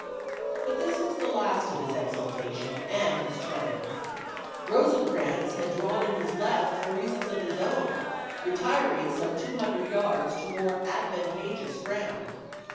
But this was the last of his exultation and his triumph. Rosecrans had drawn in his left for reasons of his own, retiring some two hundred yards to more advantageous ground.